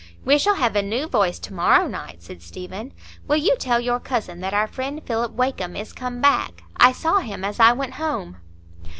"We shall have a new voice to morrow night," said Stephen. "Will you tell your cousin that our friend Philip Wakem is come back? I saw him as I went home."